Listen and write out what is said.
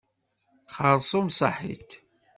Xeṛṣum saḥit.